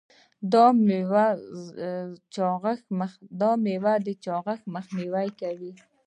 دا میوه د چاغښت مخنیوی کوي.